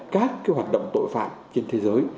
các cái hoạt động tội phạm trên thế giới